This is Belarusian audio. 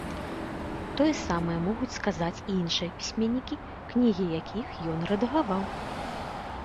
Тое самае могуць сказаць і іншыя пісьменнікі, кнігі якіх ён рэдагаваў.